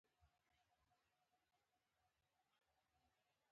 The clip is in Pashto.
عصري تعلیم مهم دی ځکه چې د انیمیشن زدکړه کوي.